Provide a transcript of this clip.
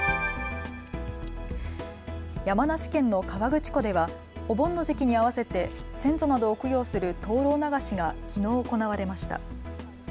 山梨県の河口湖ではお盆の時期に合わせて先祖などを供養する灯籠流しがきのう行われました。